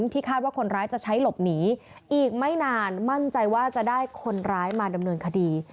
แต่ว่าจะได้คนร้ายมาดำเนินคดี